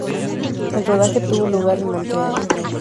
El rodaje tuvo lugar en Montreal.